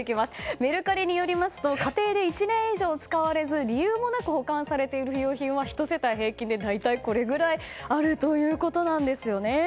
メルカリによりますと家庭で１年以上使われず理由もなく保管されている不用品は１世帯平均で大体これぐらいあるということなんですね。